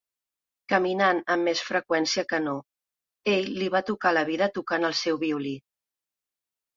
Caminant amb més freqüència que no, ell li va tocar la vida tocant el seu violí.